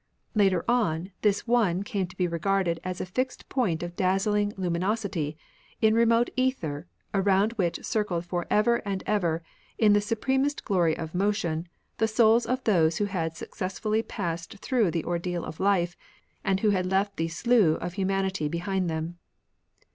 Later on, this One came to be regarded as a fixed point of dazzling lumin osity, in remote ether, around which circled for ever and ever, in the supremest glory of motion, the souls of those who had successfully passed through the ordeal of life, and who had left the slough of humanity behind them.